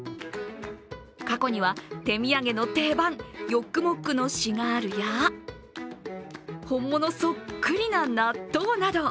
過去には手土産の定番、ヨックモックのシガールや、本物そっくりな納豆など。